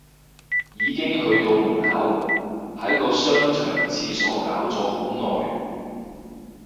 已經去到門口，喺個商場廁所搞咗好耐